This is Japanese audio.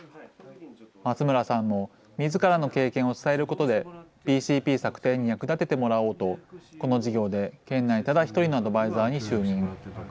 松村さんも、みずからの経験を伝えることで、ＢＣＰ作成に役立ててもらおうと、この事業で県内ただ一人のアドバ